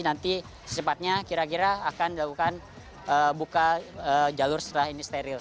nanti secepatnya kira kira akan dilakukan buka jalur setelah ini steril